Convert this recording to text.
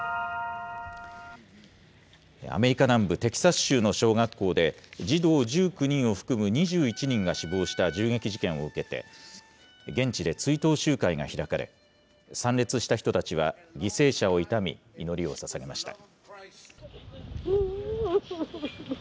アメリカ南部テキサス州の小学校で、児童１９人を含む２１人が死亡した銃撃事件を受けて、現地で追悼集会が開かれ、参列した人たちは犠牲者を悼み、祈りをささげました。